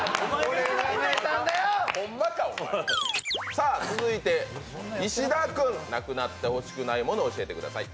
さあ続いて、石田君、無くなってほしくないもの教えてください。